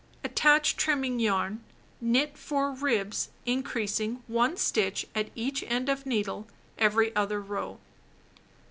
Attach trimming yarn. Knit 4 ribs, increasing 1 stitch at each end of needle every other row.